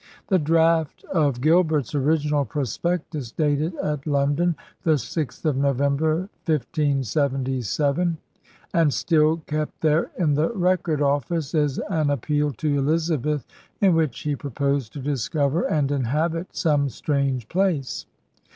* The draft of Gilbert's original prospectus, dated at London, the 6th of November, 1577, and still kept there in the Record Office, is an appeal to Elizabeth in which he proposed *to discover and inhabit some strange place.'